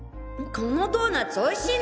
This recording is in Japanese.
このドーナツおいしいな！